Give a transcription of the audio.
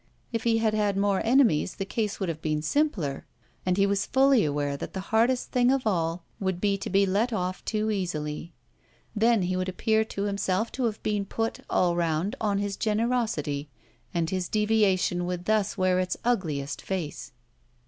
If he had had more enemies the case would have been simpler, and he was fully aware that the hardest thing of all would be to be let off too easily. Then he would appear to himself to have been put, all round, on his generosity, and his deviation would thus wear its ugliest face.